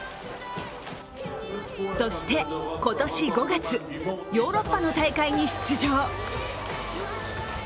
そして今年５月ヨーロッパの大会に出場。